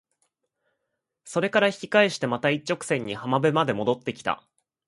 それから引き返してまた一直線に浜辺まで戻って来た。